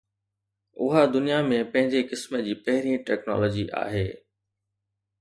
اها دنيا ۾ پنهنجي قسم جي پهرين ٽيڪنالاجي آهي.